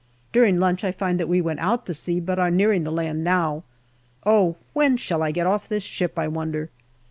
During lunch I find that we went out to sea, but are nearing the land now. Oh ! when shall I get off this ship ? I wonder.